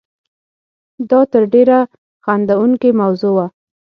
دا تر ډېره خندوونکې موضوع وه.